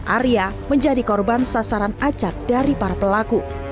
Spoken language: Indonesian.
arya menjadi korban sasaran acak dari para pelaku